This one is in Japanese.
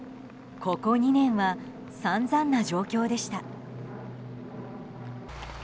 ここ２年は散々な状況でした。